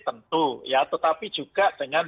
tentu ya tetapi juga dengan